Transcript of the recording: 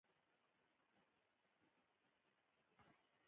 په زړه کښې مې له هغه سره مينه پيدا سوه.